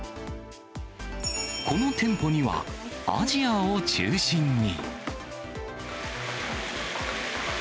この店舗には、アジアを中心に。